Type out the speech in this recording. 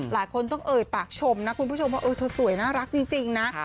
หลายคนต้องเอ่ยปากชมนะคุณผู้ชมว่าเธอสวยน่ารักจริงนะ